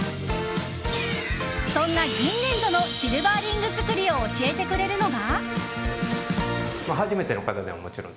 そんな銀粘土のシルバーリング作りを教えてくれるのが。